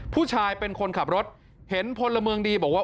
ผู้ชายเป็นคนขับรถเห็นพลเมืองดีบอกว่า